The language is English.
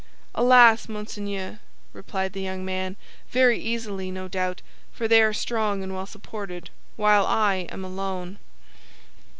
"Alas, monseigneur!" replied the young man, "very easily, no doubt, for they are strong and well supported, while I am alone."